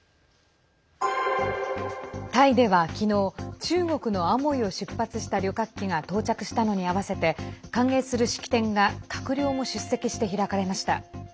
タイでは昨日中国のアモイを出発した旅客機が到着したのに合わせて歓迎する式典が閣僚も出席して開かれました。